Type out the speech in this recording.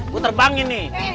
gue terbangin nih